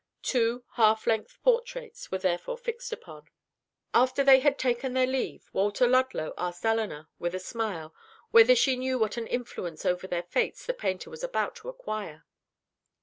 Two half length portraits were therefore fixed upon. After they had taken leave, Walter Ludlow asked Elinor, with a smile, whether she knew what an influence over their fates the painter was about to acquire.